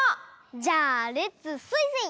じゃあレッツスイスイ！